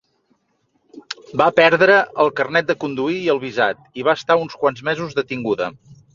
Va perdre el carnet de conduir i el visat i va estar uns quants mesos detinguda.